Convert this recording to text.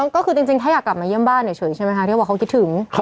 ก็จริงถ้าอยากกลับมาเยี่ยมบ้านอยู่ใช่ไหมค่ะ